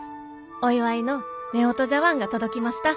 お祝いの夫婦茶わんが届きました。